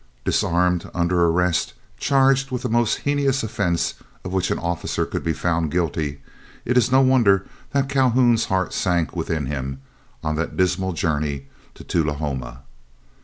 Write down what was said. Disarmed, under arrest, charged with the most heinous offence of which an officer could be guilty, it is no wonder that Calhoun's heart sank within him on that dismal journey to Tullahoma.